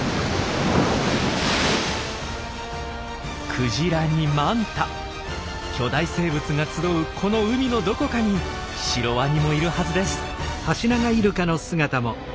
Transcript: クジラにマンタ巨大生物が集うこの海のどこかにシロワニもいるはずです。